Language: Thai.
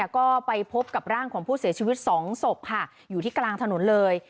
ก็ไปพบกับร่างของผู้เสียชีวิต๒ศพค่ะอยู่ที่กลางถนนเลย